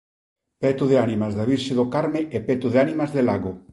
Peto de Ánimas da Virxe do Carme e Peto de Ánimas de Lago.